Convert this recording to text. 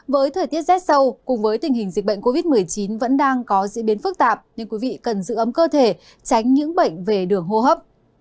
với thời tiết rét sâu cùng với tình hình dịch bệnh covid một mươi chín vẫn đang có diễn biến phức tạp nhưng quý vị cần giữ ấm cơ thể tránh những bệnh về đường hô hấp